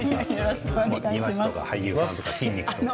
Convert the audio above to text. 庭師とか、俳優さんとか筋肉とか。